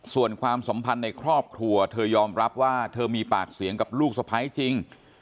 ส่วนความสัมพันธ์ในครอบครัวเธอยอมรับว่าเธอมีปากเสียงกับลูกสะพ้ายจริง